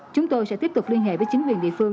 chúng tôi sẽ tiếp tục liên hệ với chính quyền địa phương